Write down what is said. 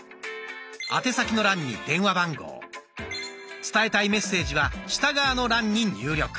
宛先の欄に電話番号伝えたいメッセージは下側の欄に入力。